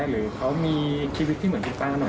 หรือเขามีชีวิตที่เหมือนกีต้าหน่อย